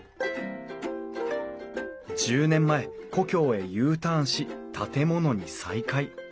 １０年前故郷へＵターンし建物に再会。